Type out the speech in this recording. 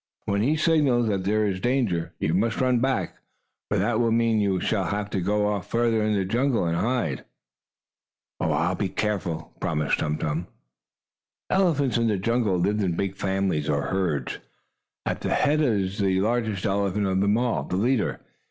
When he signals that there is danger, you must run back, for that will mean we shall have to go off farther in the jungle, and hide." "I'll be careful," promised Tum Tum. Elephants in the jungle live in big families, or herds. At the head is the largest elephant of them all, the leader.